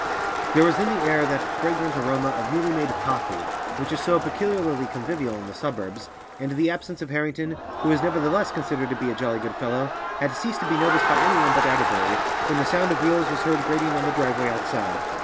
There was in the air that fragrant aroma of newly made coffee which is so peculiarly convivial in the suburbs, and the absence of Harrington, who was nevertheless considered to be a jolly good fellow, had ceased to be noticed by anyone but Atterbury, when the sound of wheels was heard grating on the driveway outside.